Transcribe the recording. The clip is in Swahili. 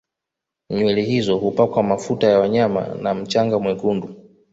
Nywele hizo hupakwa mafuta ya wanyama na mchanga mwekundu